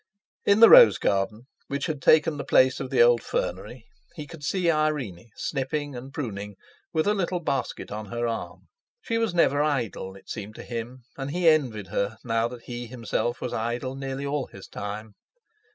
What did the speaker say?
In the rose garden, which had taken the place of the old fernery, he could see Irene snipping and pruning, with a little basket on her arm. She was never idle, it seemed to him, and he envied her now that he himself was idle nearly all his time.